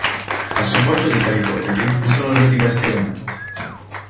A supporto di tale ipotesi vi sono due diversi elementi.